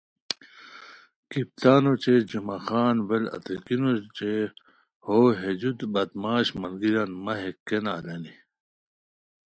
کپتان اوچے جمعہ خان ویل اتکینو اوچے ہو ہے جو بدمعاش ملگیریان مہ ہے کینہ الانی